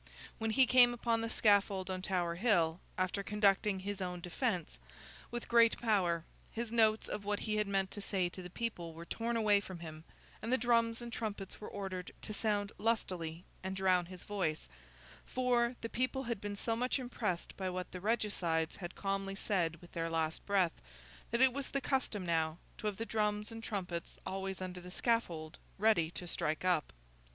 When he came upon the scaffold on Tower Hill, after conducting his own defence with great power, his notes of what he had meant to say to the people were torn away from him, and the drums and trumpets were ordered to sound lustily and drown his voice; for, the people had been so much impressed by what the Regicides had calmly said with their last breath, that it was the custom now, to have the drums and trumpets always under the scaffold, ready to strike up.